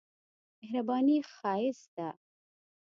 مهرباني ښايست ده.